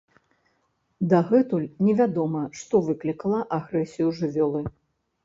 Дагэтуль невядома, што выклікала агрэсію жывёлы.